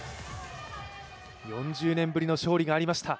４０年ぶりの勝利がありました、